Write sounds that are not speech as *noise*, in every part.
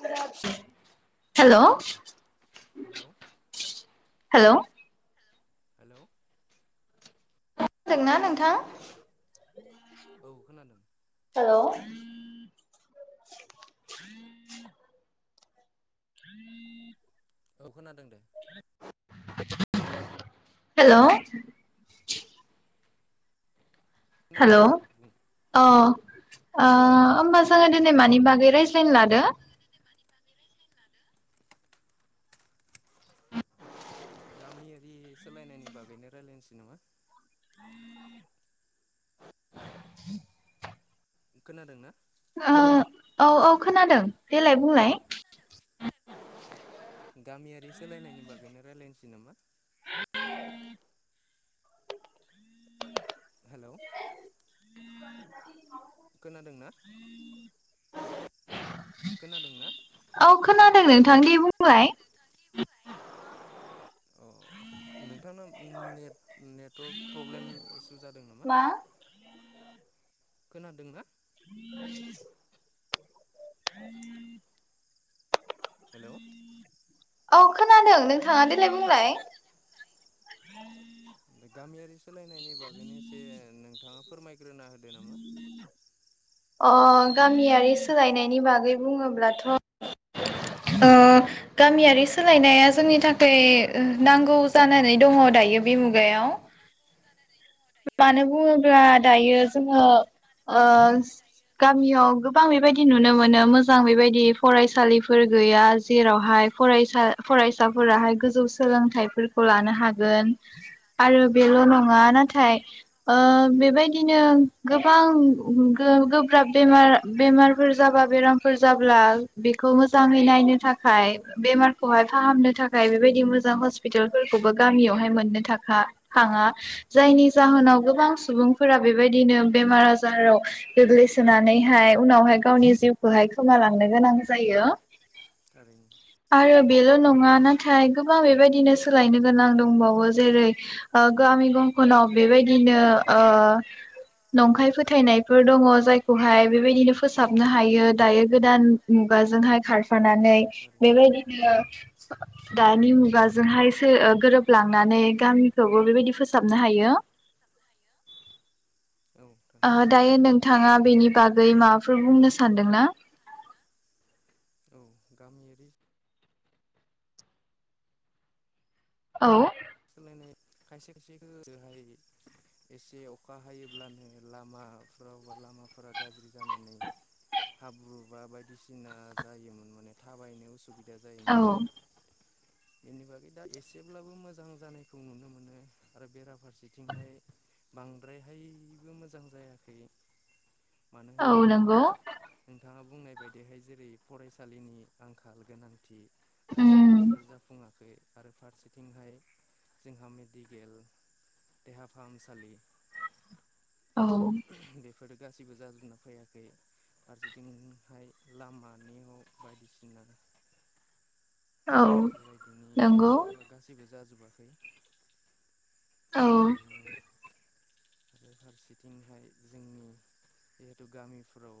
*unintelligible* हेल' hello hello hello दोंना नोंथां? औ खोनादों। हेल' *inaudible* औ खोनादों दे। हेल' खोनादों हेल' दे बुं अ ओ होमबा हेलौ जोङो दिनै मानि बागै रायज फेन लादो। गामियारि सोलायनायनि बागैनो रायलायनोसै नामा *inaudible* खोनादों ना ओ औ औ खोनादों देलाय बुंलाय गामियारि सोलायनायनि बागैनो रायलायनोसै नामा? *unintelligible* हेलौ *unintelligible* खोनादोंना खोनादों ना? औ खोनादों नोंथां दे बुंलाय? अ नोंथाना नेट नेटवारक प्रब्लेम इसु जादों नामा *inaudible* खोनादोंना? *inaudible* हेलौ औ खोनादों नोंथाङा देलाय बुंलाय? गामियारि सोलायनायनि बागैनो एसे नोंथाङा फोरमायगोन *unintelligible* होदो नामा अ गामियारि सोलायनायनि बागै बुङोब्लाथ' ओ गामियारि सोलायनाया जोंनि थाखाय ओ नांगौ जानानै दङ दायो बे मुगायाव मानो बुङोब्ला दायो जोङो ओ गामियाव गोबां बेबायदि नुनो मोनो मोजां बेबायदि फरायसालिफोर गैया जेरावहाय फरायसा फरायसाफोराहाय गोजौ सोलोंथाइफोरखौ लानो हागोन आरो बेल' औ नङा नाथाय नाथाय ओ बेबायदिनो गोबां गोब्राब बेमार बेमारफोर जाबा बेरामफोर जाब्ला बेखौ मोजाङै नायनो थाखाय बेमारखौहाय फाहामनो थाखाय बेबायदि मोजां हस्पिटालफोरखौबो गामियावहाय मोननो थाखा थाङा जायनि जाहोनाव गोबां सुबुंफोरा बेबायदिनो बेमार आजाराव गोग्लैसोनानैहाय उनावहाय गावनि जिउखौहाय खोमालांनो गोनां जायो थारैनो आरो बेल' नङा नाथाय गोबां बेबायदिनो सोलायनो गोनां दंबावो जेरै ओ गामि गं *unintelligible* बेबायदिनो ओ नंखाय फोथायनायफोर दङ जायखौहाय बेबायदिनो फोसाबनो हायो दायो गोदान मुगाजोंहाय खारफानानै बेबायदिनो दानि मुगाजोंहाय सो गोरोबलांनानै गामिखौबो बेबायदि फोसाब *unintelligible* हायो औ ओ थारैनो दायो नोंथाङा बेनि बा गै माबाफोर बुंनो सानदोंना? औ *inaudible* औ सोलायनाय खायसे खायसे खायसे *unintelligible* एसे अखा हायोब्लानो लामाफ्राव बा लामाफोरा गाज्रि जानानै हाब्रु बा बायदिसिना जायोमोन माने थाबायनो उसु *unintelligible* औ जायोमोन। बेनि बागै दा एसेब्लाबो मोजां जानायखौ नुनो मोनो आरो बेरा फार सेथिंजाय बांद्रायहाय मोजां जायाखै। मानो औ होनोब्ला नंगौ नोंथाङा बुंनाय बायदिहाय जेरै फरायसालिनि आंखाल गोनांथि। दासिमबो उम बेफोर जाफुङाखै। आरो फारसेथिंहाय। जोंहा मेडिकेल देहा फाहामसालि। औ। बेफोरो गासिबो जाजोबना फैयाखै फारसेथिंहाय लामानियाव बायदिसिना। औ बेफोरबायदिनि नंगौ माबाफोरा गासैबो जाजोब *unintelligible* औ। आरो फारसेथिंहाय जोंनि जिहेथु गामिफ्राव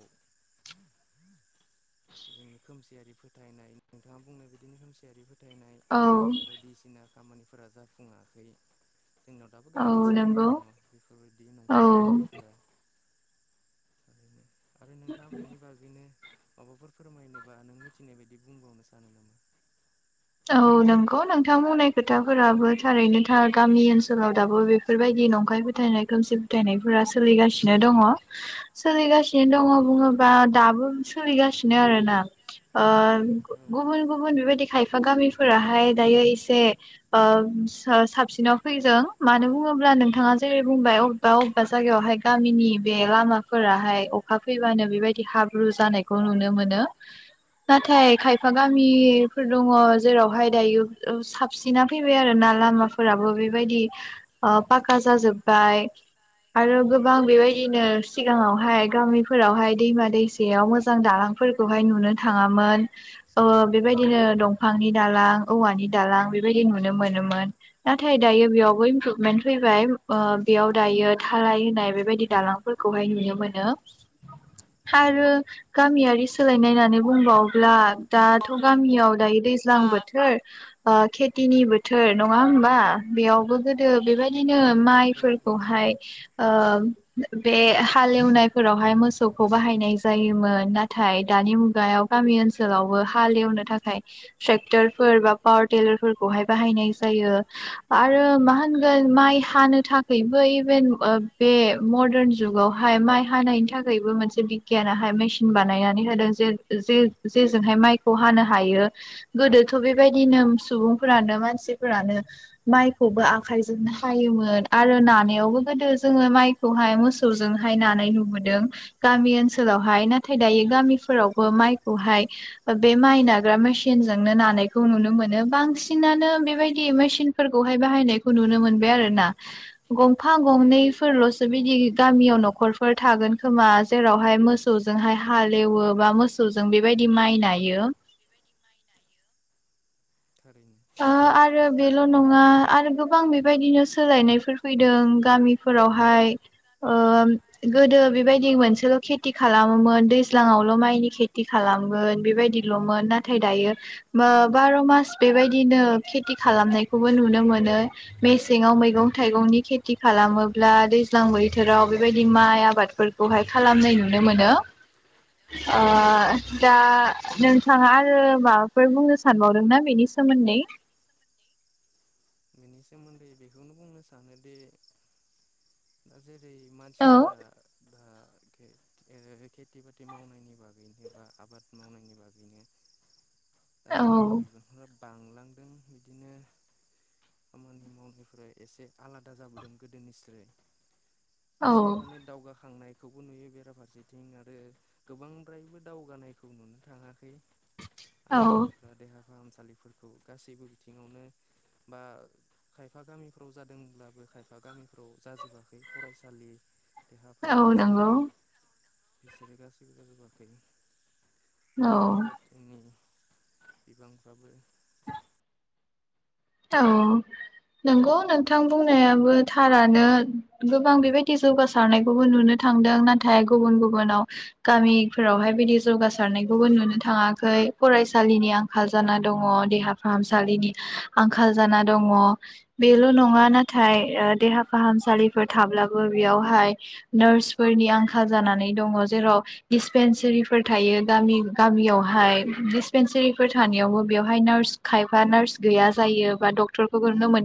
जोंनि खोमसियारि फोथायनाय नोंथाङा बुंनो बिदिनो खोमसियारि फोथायनाय औ बायदिसिना। खामानिफोरा जाफुङाखै। जोंनाव दाबो औ गामि ओनसोलाव नंगौ दङ बेफोरबायदि औ नंखाय फोथायनायफोरा। *inaudible* आरो नोंथाङा बेनि बागैनो। माबाफोर फोरमायनोबा नों मिथिनाय बायदि बुंबावनो सानो नामा? औ नोंगौ नोंथां बुंनाय खोथाफोराबो थारैनो था गामि ओनसोलाव दाबो बेफोरबायदि नंखाय फोथायनाय खोमसि फोथायनायफोरा सोलिगासिनो दङ सोलिगासिनो दङ बुङोबा दाबो सोलिगासिनो आरोना औ गुबुन गुबुन बेबायदि खाय खायफा गामिफोराहाय दायो एसे ओ साबसिनाव फैदों मानो बुङोब्ला नोंथाङा जेरै बुंबाय अबेबा अबेबा जायगायावहाय गामिनि बे लामाफोराहाय अखा फैबानो बेबायदि हाब्रु जानायखौ नुनो मोनो नुनो नाथाय खायफा गामिफोर। दङ जेरावहाय दायो साबसिना फैबाय आरोना लामाफोराबो बेबायदि ओ पाका जाजोब्बाय आरो गोबां मोनो बेबायदिनो सिगाङावहाय गामिफोरावहाय दैमा दैसायाव मोजां दालांफोरखौहाय नुनो थाङामोन ओ बेबायदिनो। दंफांनि दालां औवानि दालां बेबायदि नुनो मोनोमोन नाथाय आरो इमफ्रुबमेन मोनबाय ओ बेयाव दायो दालाय होनाय बेबायदि दआलआंफओरखऔहआय नुनो मोनो आरो गामियारि *unintelligible* सोलायनाय होननानै बुंबावब्ला थाङामोन दाथ' गामियाव। दायो दैज्लां बोथोर। खेथिनि बोथोर नङा होनबा बेयावबो गोदो बेबायदिनो औ माइफोरखौहाय बे हालेवनायफोरावहाय मोसौखौ बाहायनाय जायो। मोन नाथाय दानि मुगायाव गामि ओनसोलावबो हाल औ एवनो थाखाय ट्रेक्टारफोर बा पावार टिलारफोरखौहाय। थाखाय बाहायनाय जायो आरो मा होनगोन माइ नंगौ हानो थारैनो थाखायबो इभेन बे मरदान जुगावहाय माइ हानायनि थाखायबो मोनसे बिगियानहाय मेसिन बानायनानै होदों जे जे जेजोंहाय माइखौ हानो हायो। गोदोथ' बेबायदिनो औ सुबुंफोरानो मानसिफोरानो माइखौबो आखायजोंनो हायोमोन आरो नानायावबो गोदो जोङो माइखौहाय मोसौजोंहाय नानाय नुबोदों गामि ओनसोलावहाय नाथाय दायो गामिफोरावबो माइखौहाय बे माइ नाग्रा मेनसिन। मेचिन जोंनो नानायखौ नुनो मोनो बांसिनानो बेबायदि मेसिनफोरखौहाय बाहायनायखौ नुनो मोनबाय आरो ना गंफां गंनै फोरल'सो औ बिदि गामियाव न'खरफोर। थागोन खोमा जेरावहाय मोसौजोंहाय हालेवोबा मोसौजों बेबायदि माइ नायो। थारैनो। आरो बेल' नङा आरो गोबां बेबायदिनो सोलायनायफोर फैदों गामिफोरावहाय गोदो बेबायदि मोनसेल' खेथि खालामोमोन दैज्लाङावल' माइनि खेथि खालामगोन बेबायदिल'मोन। नाथाय दायो। बार' मास बेबायदि बिदिनो खेथि खालामनायखौबो नुनो मोनो मेसेंआव मैगं थाइगंनि खेथि खालामोब्ला दैज्लां बोथोराव बेबायदि माइ आबादफोरखौहाय खालामनाय नुनो मोनो ओ थारैनो दा नोंथाङा आरो माबाफोर बुंनो सानबावदों ना बेनि सा सोमोन्दै *unintelligible* जेरै औ मानसिफोरा दा खेथि बाथि मावनायनि बागैनो बा आबाद मावनायनि बागैनो दा जोंनि औ बिब'फोरा बांलांदों बिदिनो खामानि मावनायफ्राय एसे आलादा जाबोदों गोदोनिस्र औ एसे माने दावगाखांनाय बेखौबो नुयो बेराफारसेथिं आरो गोबांद्रायबो दावगानायखौ नुनो थाङाखै मानो औ होनोब्ला देहा फाहामसा आसालिफोरखौ गासैबो बिथिङावनो बा खायफा गामिफ्राव जादोंब्लाबो खायफा गामिफ्राव जाजोबाखै फरायसालि देहा औ नंगौ फाहामसालि फसगा असुबिदा बाखै औ खेथि बाथि बिबांफ्राबो औ नंगौ नोंथां बुंनायाबो थारानो गोबां बेबायदि जौगासारनायखौबो नुनो थांदों नाथाय गुबुन गुबुनाव गामिफोरावहाय बिदि जौगासारनायखौबो नुनो थाङाखै फरायसालिनि आंखाल जाना दङ देहा फाहामसालिनि आंखाल जाना दङ बेल' नङा नाथाय देहा फाहामसालिफोर थाब्लाबो बेयावहाय नार्सफोरनि आंखाल जानानै दङ जेराव डिसपेनसारिफोर थायो गामि गामियावहाय डिसपेनसारिफोर थानायावबो बेवहाय नार्स खायफा नार्स गैया। जायो बा डक्टरनो मोन